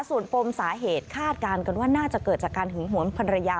ส่วนปมสาเหตุคาดการณ์กันว่าน่าจะเกิดจากการหึงหวนภรรยา